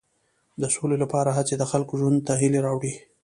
د سولې لپاره هڅې د خلکو ژوند ته هیلې راوړي.